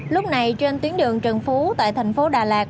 lúc này trên tuyến đường trần phú tại thành phố đà lạt